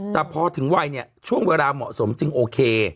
แต่พอถึงวัยเนี่ยช่วงเวลาเหมาะสมจึงโอเค